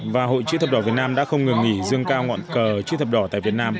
và hội chữ thập đỏ việt nam đã không ngừng nghỉ dương cao ngọn cờ chữ thập đỏ tại việt nam